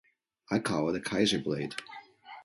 I call it a kaiser blade.